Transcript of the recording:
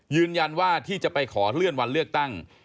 ยืนยันว่าที่จะไปขอเลื่อนวันเลือกตั้ง